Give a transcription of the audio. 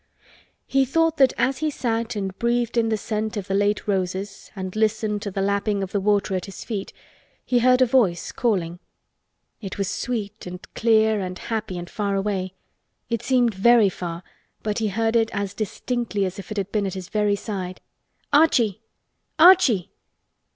He thought that as he sat and breathed in the scent of the late roses and listened to the lapping of the water at his feet he heard a voice calling. It was sweet and clear and happy and far away. It seemed very far, but he heard it as distinctly as if it had been at his very side. "Archie! Archie!